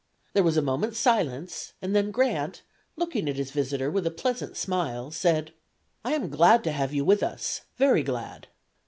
There was a moment's silence, and then Grant, looking at his visitor with a pleasant smile, said: "I am glad to have you with us, very glad."